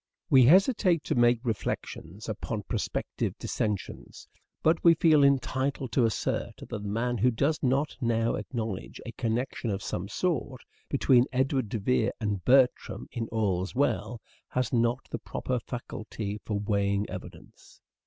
We hesitate to make reflections upon prospective dissentients; but we feel entitled to assert that the man who does not now acknowledge a connection of some sort, between Edward de Vere and Bertram in "All's Well," has not the proper faculty for weighing evidence.